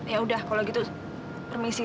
ya udah kalau gitu permisi